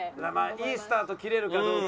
いいスタート切れるかどうかね。